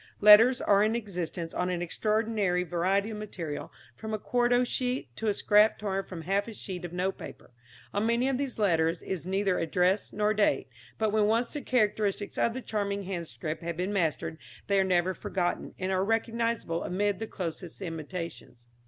Letters are in existence on an extraordinary variety of material, from a quarto sheet to a scrap torn from half a sheet of note paper. On many of these letters is neither address nor date, but when once the characteristics of the charming handscript have been mastered, they are never forgotten, and are recognisable amid the closest imitations.